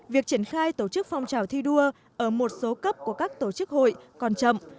việc triển khai tổ chức phong trào thi đua ở một số cấp của các tổ chức hội còn chậm